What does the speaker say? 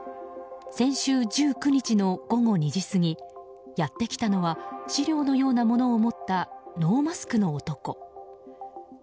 先週１９日の午後２時過ぎやってきたのは資料のようなものを持ったノーマスクの男。